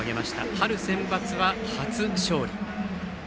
春センバツは初勝利。